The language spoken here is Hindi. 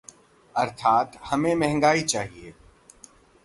अर्थात्ः हमें महंगाई चाहिए!